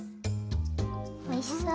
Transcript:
おいしそう。